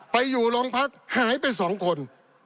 ไปอยู่โรงพักหายไป๒คน